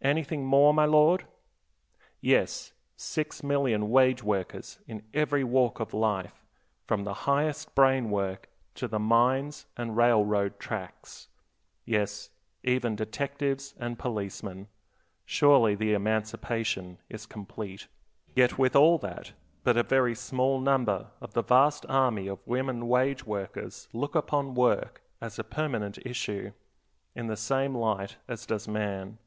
Anything more, my lord? Yes, six million wage workers in every walk of life, from the highest brain work to the mines and railroad tracks; yes, even detectives and policemen. Surely the emancipation is complete. Yet with all that, but a very small number of the vast army of women wage workers look upon work as a permanent issue, in the same light as does man.